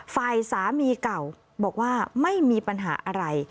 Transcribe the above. ฝ่ายสามีเก่าบอกว่าไม่มีปัญหาอะไร